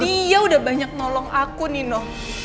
dia udah banyak nolong aku nino